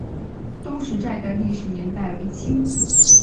东石寨的历史年代为清。